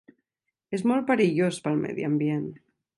És molt perillós pel medi ambient.